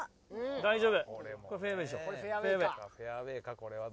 大丈夫！